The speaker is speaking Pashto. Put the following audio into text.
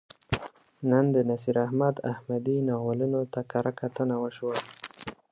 نن د نصیر احمد احمدي ناولونو ته کرهکتنه وشوه.